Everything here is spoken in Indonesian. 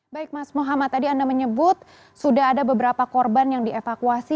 baik mas muhammad tadi anda menyebut sudah ada beberapa korban yang dievakuasi